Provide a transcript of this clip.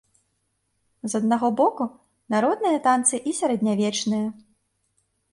З аднаго боку, народныя танцы і сярэднявечныя.